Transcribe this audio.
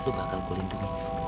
lu bakal gua lindungi